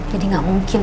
jadi gak mungkin